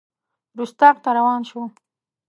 رُستاق ته روان شو.